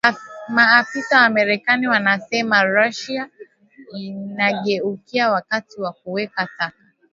Maafisa wa marekani wanasema Russia inageukia mkakati wa kuweka taka